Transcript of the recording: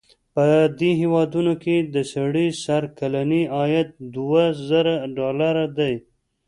په دې هېوادونو کې د سړي سر کلنی عاید دوه زره ډالره دی.